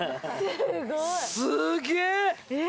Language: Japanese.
すげえ！